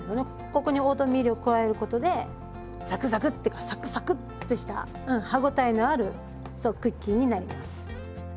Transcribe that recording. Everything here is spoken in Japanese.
ここにオートミールを加えることでザクザクッてかサクサクッてしたうん歯応えのあるそうクッキーになります。